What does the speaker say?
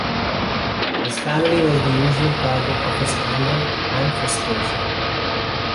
His family was the usual target of his anger and frustration.